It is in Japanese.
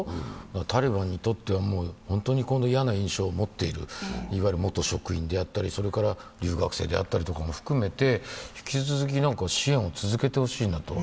タリバンにとっては嫌な印象を持っているいわゆる元職員であったり、留学生であったりとかも含めて引き続き支援を続けてほしいなと。